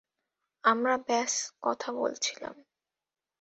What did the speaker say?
আমরা ব্যস কথা বলছিলাম।